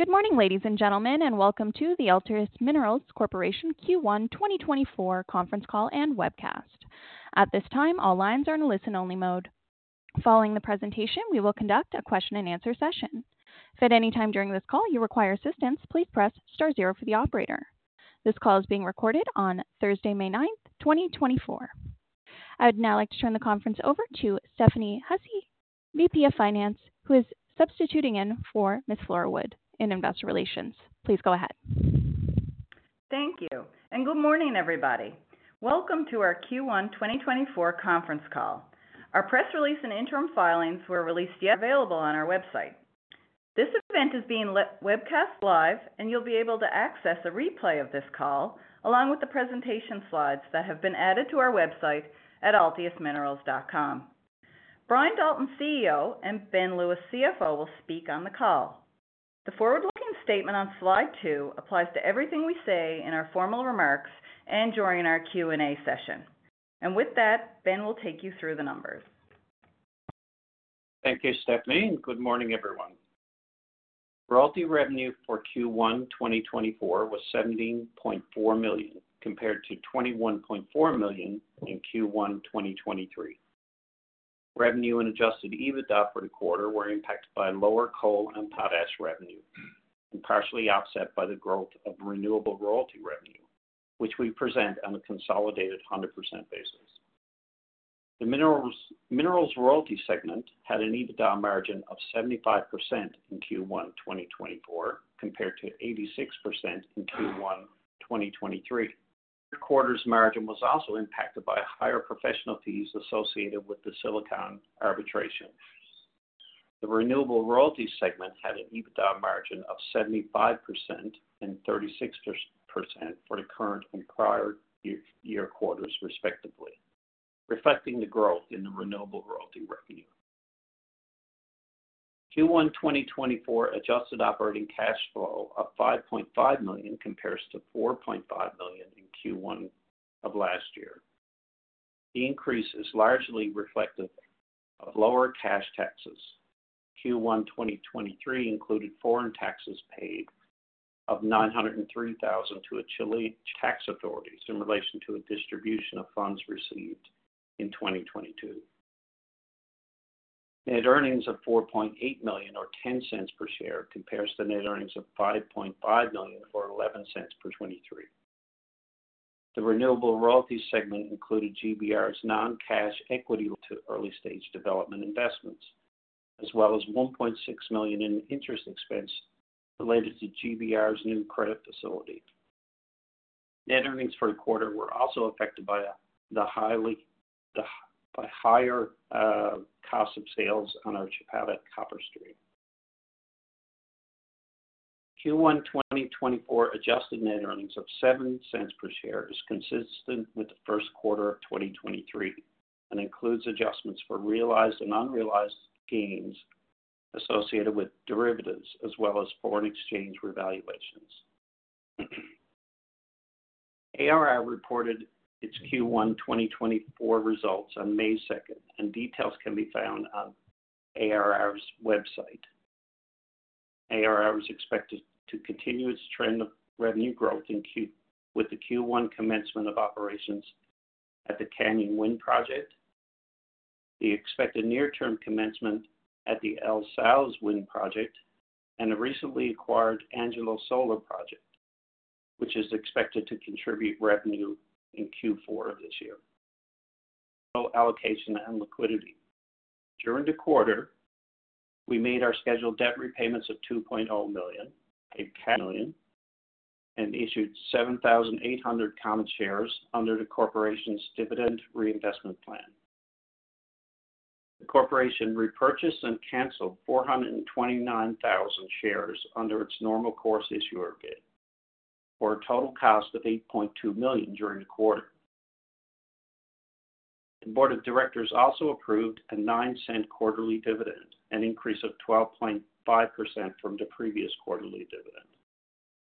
Good morning, ladies and gentlemen, and welcome to the Altius Minerals Corporation Q1 2024 conference call and webcast. At this time, all lines are in listen-only mode. Following the presentation, we will conduct a question-and-answer session. If at any time during this call you require assistance, please press star zero for the operator. This call is being recorded on Thursday, May 9th, 2024. I would now like to turn the conference over to Stephanie Hussey, VP of Finance, who is substituting in for Ms. Flora Wood in Investor Relations. Please go ahead. Thank you, and good morning, everybody. Welcome to our Q1 2024 conference call. Our press release and interim filings were released yesterday and are available on our website. This event is being webcast live, and you'll be able to access a replay of this call along with the presentation slides that have been added to our website at altiusminerals.com. Brian Dalton, CEO, and Ben Lewis, CFO, will speak on the call. The forward-looking statement on slide two applies to everything we say in our formal remarks and during our Q&A session. With that, Ben will take you through the numbers. Thank you, Stephanie, and good morning, everyone. Royalty revenue for Q1 2024 was 17.4 million, compared to 21.4 million in Q1 2023. Revenue and adjusted EBITDA for the quarter were impacted by lower coal and potash revenue, and partially offset by the growth of renewable royalty revenue, which we present on a consolidated 100% basis. The Minerals Royalty segment had an EBITDA margin of 75% in Q1 2024, compared to 86% in Q1 2023. Quarter's margin was also impacted by higher professional fees associated with the Silicon arbitration. The Renewable Royalty segment had an EBITDA margin of 75% and 36% for the current and prior year quarters, respectively, reflecting the growth in the renewable royalty revenue. Q1 2024 adjusted operating cash flow of 5.5 million compares to 4.5 million in Q1 of last year. The increase is largely reflective of lower cash taxes. Q1 2023 included foreign taxes paid of 903,000 to a Chilean tax authority in relation to a distribution of funds received in 2022. Net earnings of 4.8 million or 0.10 per share compares to net earnings of 5.5 million or 0.11 per share in 2023. The Renewable Royalty segment included GBR's non-cash equity to early-stage development investments, as well as 1.6 million in interest expense related to GBR's new credit facility. Net earnings for the quarter were also affected by the higher cost of sales on our Chapada copper stream. Q1 2024 adjusted net earnings of 0.07 per share is consistent with the first quarter of 2023 and includes adjustments for realized and unrealized gains associated with derivatives, as well as foreign exchange revaluations. ARR reported its Q1 2024 results on May 2nd, and details can be found on ARR's website. ARR is expected to continue its trend of revenue growth with the Q1 commencement of operations at the Canyon Wind Project, the expected near-term commencement at the El Sauz Wind Project, and the recently acquired Angelo Solar Project, which is expected to contribute revenue in Q4 of this year. Allocation and liquidity. During the quarter, we made our scheduled debt repayments of 2.0 million, paid 10 million, and issued 7,800 common shares under the corporation's dividend reinvestment plan. The corporation repurchased and canceled 429,000 shares under its normal course issuer bid, for a total cost of 8.2 million during the quarter. The board of directors also approved a 0.09 quarterly dividend, an increase of 12.5% from the previous quarterly dividend.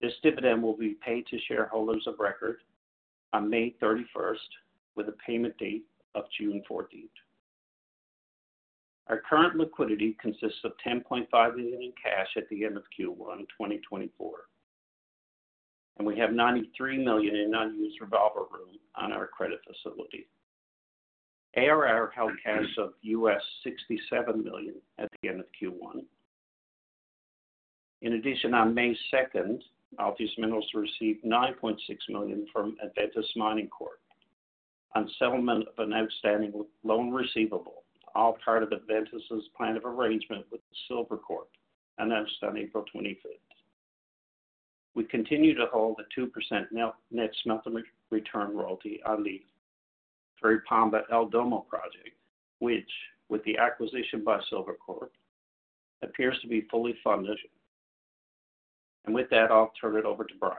This dividend will be paid to shareholders of record on May 31st, with a payment date of June 14th. Our current liquidity consists of 10.5 million in cash at the end of Q1 2024, and we have 93 million in unused revolver room on our credit facility. ARR held cash of $67 million at the end of Q1. In addition, on May 2nd, Altius Minerals received 9.6 million from Adventus Mining Corp on settlement of an outstanding loan receivable, all part of Adventus's plan of arrangement with Silvercorp, announced on April 25th. We continue to hold the 2% net smelter return royalty on the Curipamba El Domo Project, which, with the acquisition by Silvercorp, appears to be fully funded. And with that, I'll turn it over to Brian.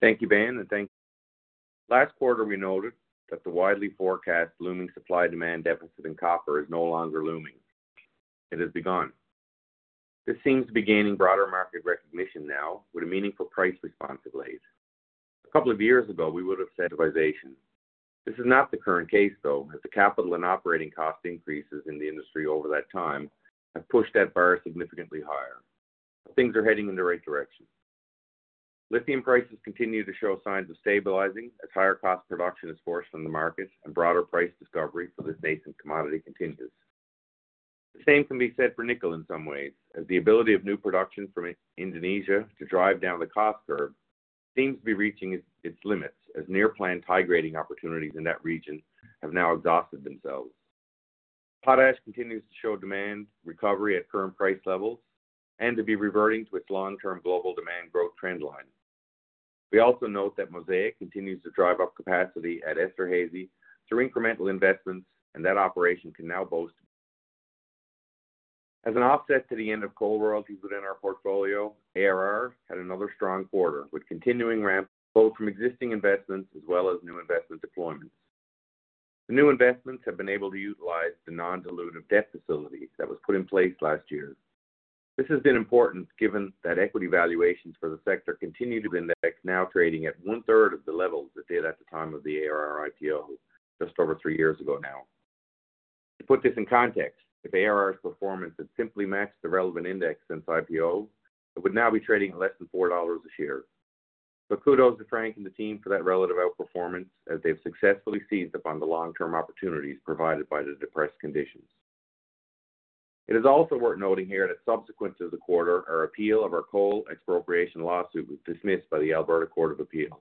Thank you, Ben, and thank you. Last quarter, we noted that the widely forecast looming supply-demand deficit in copper is no longer looming. It has begun. This seems to be gaining broader market recognition now, with a meaningful price response in place. A couple of years ago, we would have said incentivization. This is not the current case, though, as the capital and operating cost increases in the industry over that time have pushed that bar significantly higher. Things are heading in the right direction. Lithium prices continue to show signs of stabilizing as higher cost production is forced from the market and broader price discovery for this nascent commodity continues. The same can be said for nickel in some ways, as the ability of new production from Indonesia to drive down the cost curve seems to be reaching its limits as near-planned high-grading opportunities in that region have now exhausted themselves. Potash continues to show demand recovery at current price levels and to be reverting to its long-term global demand growth trendline. We also note that Mosaic continues to drive up capacity at Esterhazy through incremental investments, and that operation can now boast. As an offset to the end of coal royalties within our portfolio, ARR had another strong quarter with continuing ramp-ups both from existing investments as well as new investment deployments. The new investments have been able to utilize the non-dilutive debt facility that was put in place last year. This has been important given that equity valuations for the sector continue. Index now trading at one-third of the levels it did at the time of the ARR IPO just over three years ago now. To put this in context, if ARR's performance had simply matched the relevant index since IPO, it would now be trading at less than $4 a share. Kudos to Frank and the team for that relative outperformance, as they've successfully seized upon the long-term opportunities provided by the depressed conditions. It is also worth noting here that subsequent to the quarter, our appeal of our coal expropriation lawsuit was dismissed by the Alberta Court of Appeal,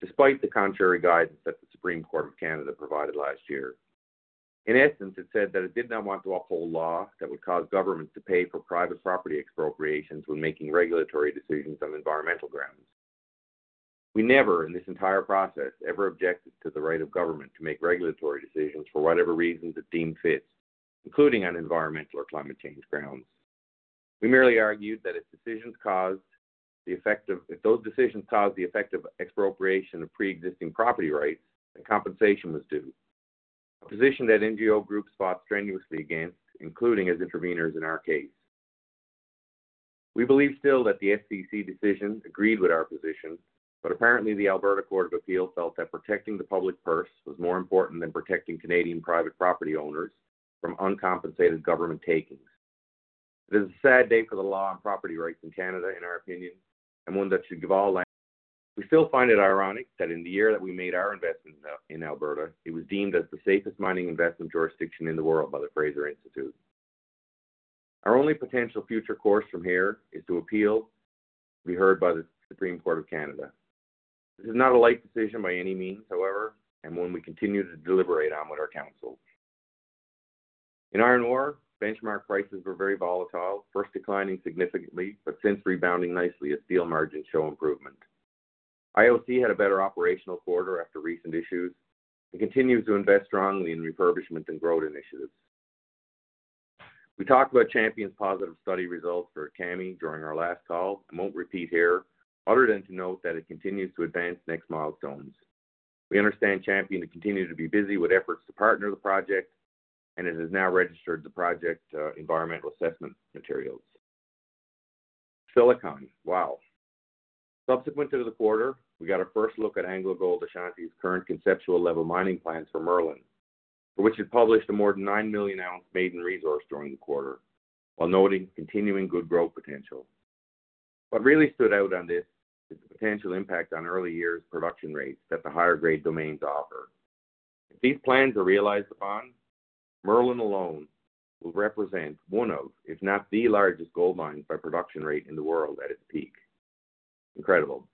despite the contrary guidance that the Supreme Court of Canada provided last year. In essence, it said that it did not want to uphold law that would cause governments to pay for private property expropriations when making regulatory decisions on environmental grounds. We never, in this entire process, ever objected to the right of government to make regulatory decisions for whatever reasons it deemed fit, including on environmental or climate change grounds. We merely argued that if those decisions caused the effect of expropriation of pre-existing property rights, then compensation was due, a position that NGO groups fought strenuously against, including as intervenors in our case. We believe still that the SCC decision agreed with our position, but apparently the Alberta Court of Appeal felt that protecting the public purse was more important than protecting Canadian private property owners from uncompensated government takings. It is a sad day for the law on property rights in Canada, in our opinion, and one that should give all. We still find it ironic that in the year that we made our investment in Alberta, it was deemed as the safest mining investment jurisdiction in the world by the Fraser Institute. Our only potential future course from here is to appeal to be heard by the Supreme Court of Canada. This is not a light decision by any means, however, and one we continue to deliberate on with our counsel. In iron ore, benchmark prices were very volatile, first declining significantly but since rebounding nicely as steel margins show improvement. IOC had a better operational quarter after recent issues and continues to invest strongly in refurbishment and growth initiatives. We talked about Champion's positive study results for Kami during our last call and won't repeat here, other than to note that it continues to advance next milestones. We understand Champion to continue to be busy with efforts to partner the project, and it has now registered the project environmental assessment materials. Silicon, wow. Subsequent to the quarter, we got a first look at AngloGold Ashanti's current conceptual-level mining plans for Merlin, for which it published a more than 9 million ounce maiden resource during the quarter, while noting continuing good growth potential. What really stood out on this is the potential impact on early years' production rates that the higher-grade domains offer. If these plans are realized upon, Merlin alone will represent one of, if not the largest gold mines by production rate in the world at its peak. Incredible.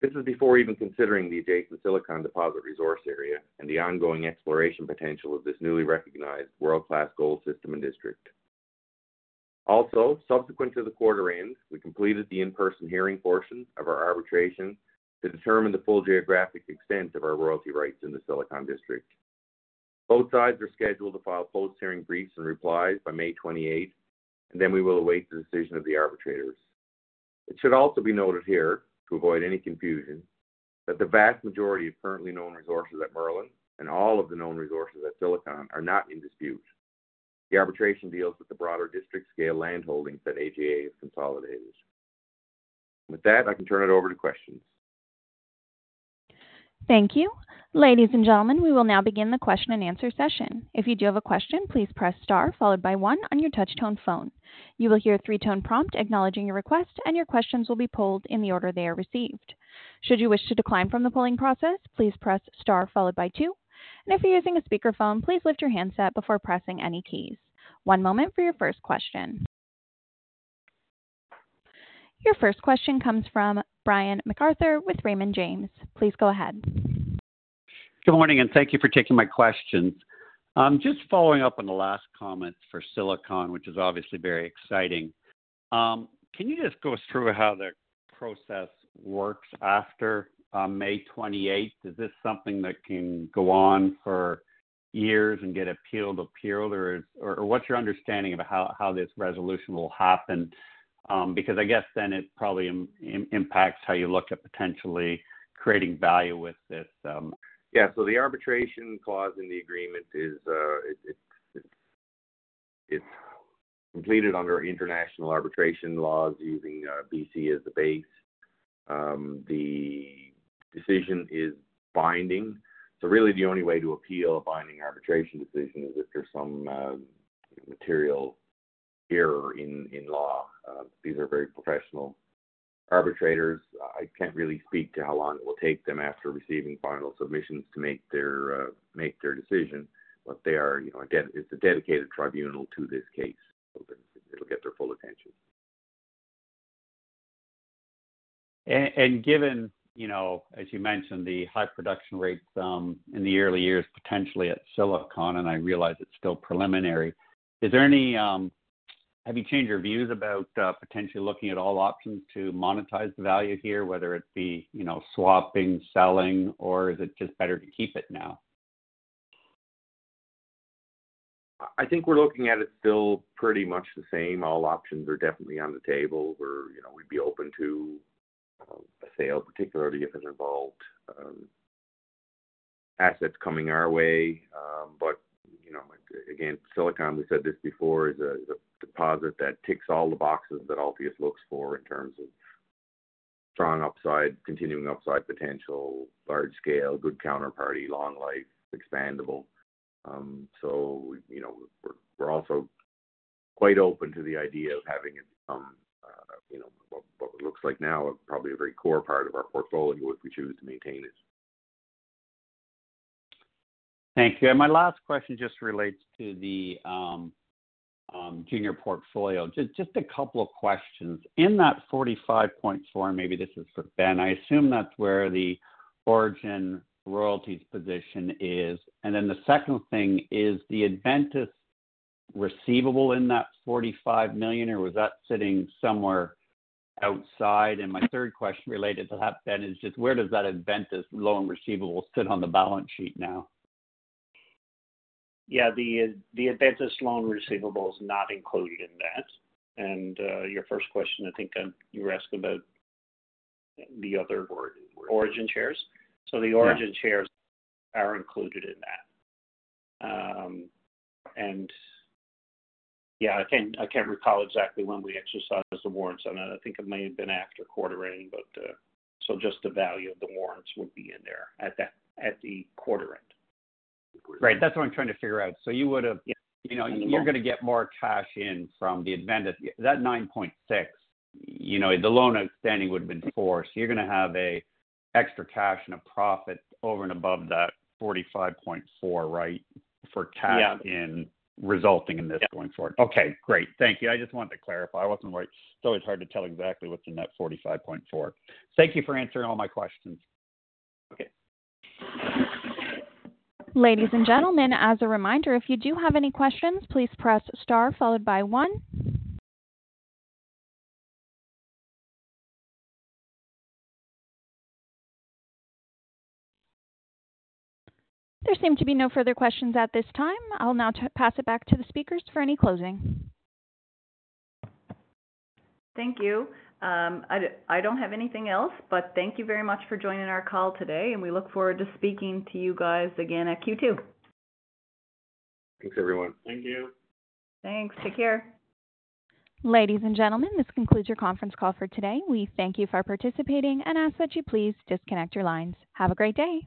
This is before even considering the adjacent Silicon deposit resource area and the ongoing exploration potential of this newly recognized world-class gold system and district. Also, subsequent to the quarter end, we completed the in-person hearing portion of our arbitration to determine the full geographic extent of our royalty rights in the Silicon district. Both sides are scheduled to file post-hearing briefs and replies by May 28th, and then we will await the decision of the arbitrators. It should also be noted here, to avoid any confusion, that the vast majority of currently known resources at Merlin and all of the known resources at Silicon are not in dispute. The arbitration deals with the broader district-scale land holdings that AGA has consolidated. With that, I can turn it over to questions. Thank you. Ladies and gentlemen, we will now begin the question-and-answer session. If you do have a question, please press star followed by one on your touch-tone phone. You will hear a three-tone prompt acknowledging your request, and your questions will be polled in the order they are received. Should you wish to decline from the polling process, please press star followed by two. If you're using a speakerphone, please lift your handset before pressing any keys. One moment for your first question. Your first question comes from Brian MacArthur with Raymond James. Please go ahead. Good morning, and thank you for taking my questions. Just following up on the last comments for Silicon, which is obviously very exciting. Can you just go through how the process works after May 28? Is this something that can go on for years and get appealed up higher, or what's your understanding of how this resolution will happen? Because I guess then it probably impacts how you look at potentially creating value with this. Yeah, so the arbitration clause in the agreement is completed under international arbitration laws using BC as the base. The decision is binding. So really, the only way to appeal a binding arbitration decision is if there's some material error in law. These are very professional arbitrators. I can't really speak to how long it will take them after receiving final submissions to make their decision, but it's a dedicated tribunal to this case, so it'll get their full attention. And given, as you mentioned, the high production rates in the early years, potentially at Silicon, and I realize it's still preliminary, have you changed your views about potentially looking at all options to monetize the value here, whether it be swapping, selling, or is it just better to keep it now? I think we're looking at it still pretty much the same. All options are definitely on the table. We'd be open to a sale, particularly if it involved assets coming our way. But again, Silicon, we said this before, is a deposit that ticks all the boxes that Altius looks for in terms of strong upside, continuing upside potential, large-scale, good counterparty, long life, expandable. So we're also quite open to the idea of having it become what it looks like now, probably a very core part of our portfolio if we choose to maintain it. Thank you. My last question just relates to the junior portfolio. Just a couple of questions. In that 45.4 million, maybe this is for Ben, I assume that's where the Orogen Royalties position is. Then the second thing is, the Adventus receivable in that 45 million, or was that sitting somewhere outside? My third question related to that, Ben, is just where does that Adventus loan receivable sit on the balance sheet now? Yeah, the Adventus loan receivable is not included in that. And your first question, I think you were asking about the other word, Orogen shares. So the Orogen shares are included in that. And yeah, I can't recall exactly when we exercised the warrants on that. I think it may have been after quarter end, but so just the value of the warrants would be in there at the quarter end. Right. That's what I'm trying to figure out. So you would have you're going to get more cash in from the Adventus. That 9.6, the loan outstanding would have been forced. You're going to have extra cash and a profit over and above that 45.4, right, for cash resulting in this going forward? Yeah. Okay. Great. Thank you. I just wanted to clarify. It's always hard to tell exactly what's in that 45.4. Thank you for answering all my questions. Okay. Ladies and gentlemen, as a reminder, if you do have any questions, please press star followed by one. There seem to be no further questions at this time. I'll now pass it back to the speakers for any closing. Thank you. I don't have anything else, but thank you very much for joining our call today, and we look forward to speaking to you guys again at Q2. Thanks, everyone. Thank you. Thanks. Take care. Ladies and gentlemen, this concludes your conference call for today. We thank you for participating and ask that you please disconnect your lines. Have a great day.